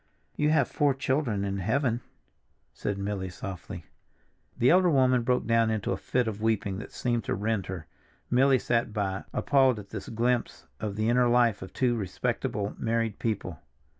"You have four children in heaven," said Milly softly. The elder woman broke down into a fit of weeping that seemed to rend her. Milly sat by, appalled at this glimpse of the inner life of two respectable married people.